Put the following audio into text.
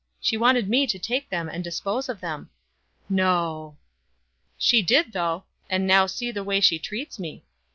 She wanted me to take them and dispose of them." "No!" "She did though; and now see the way she treats me!